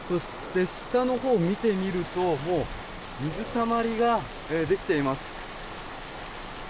そして、下のほうを見てみるともう、水たまりができています。